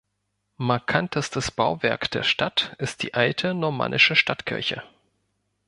Markantestes Bauwerk der Stadt ist die alte normannische Stadtkirche.